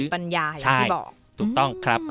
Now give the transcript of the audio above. ๑๙๕๖สติปัญญาอย่างที่บอก